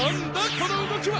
この動きは。